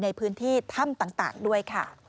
ในพื้นที่ถ้ำต่างด้วยค่ะ